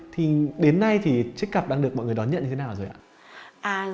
thì đến nay thì trích cặp đang được mọi người đón nhận như thế nào rồi ạ